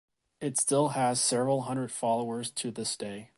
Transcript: It still has several hundred followers to this day.